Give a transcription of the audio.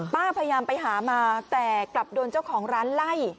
พยายามไปหามาแต่กลับโดนเจ้าของร้านไล่